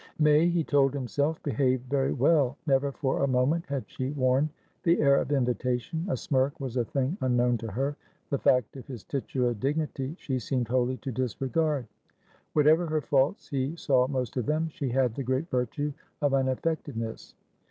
May, he told himself, behaved very well. Never for a moment had she worn the air of invitation; a smirk was a thing unknown to her; the fact of his titular dignity she seemed wholly to disregard. Whatever her faults he saw most of themshe had the great virtue of unaffectedness.